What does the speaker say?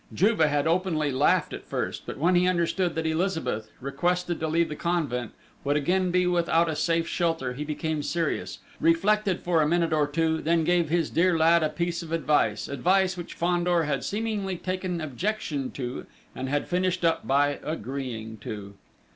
Juve had openly laughed at first, but when he understood that Elizabeth, requested to leave the convent, would again be without a safe shelter, he became serious, reflected for a minute or two, then gave his dear lad a piece of advice, advice which Fandor had seemingly taken objection to, and had finished by agreeing to....